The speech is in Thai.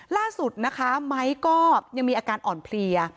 ล่าสุดนะคะไม้ก็ยังมีอาการอ่อนเพลีย